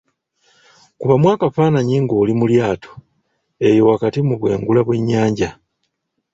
Kubamu akafaanayi ng'oli mu lyato, eyo wakati mu bwengula bw'ennyanja.